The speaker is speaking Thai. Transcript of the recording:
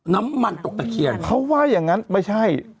น้ำมันตกตะเคียนเขาว่าอย่างนั้นไม่ใช่